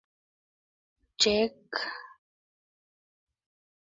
Jac.